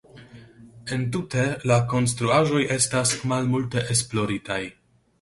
Entute la konstruaĵoj estas malmulte esploritaj.